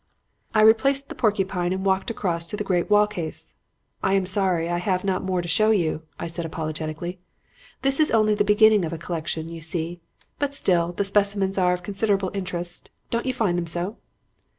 "I replaced the porcupine and walked across to the great wall case. 'I am sorry I have not more to show you,' I said apologetically. 'This is only the beginning of a collection, you see; but still, the specimens are of considerable interest. Don't you find them so?'